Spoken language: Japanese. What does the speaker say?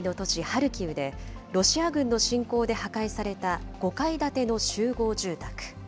ハルキウで、ロシア軍の侵攻で破壊された５階建ての集合住宅。